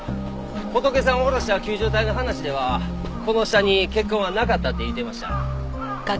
ホトケさんを下ろした救助隊の話ではこの下に血痕はなかったって言うてました。